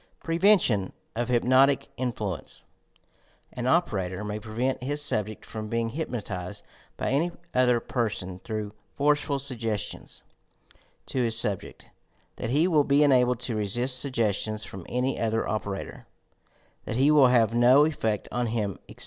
PREVENTION OP HYPNOTIC INFLUENCE An operator may prevent his subject from being hyp notized by any other person through forceful suggestions to his subject that he will be enabled to resist sugges tions from any other operator — that he will have no effect on him, etc.